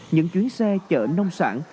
những chuyến xe chở nông sản